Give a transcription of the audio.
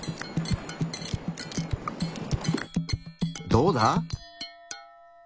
どうだ？